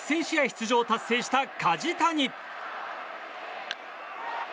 出場を達成した梶谷。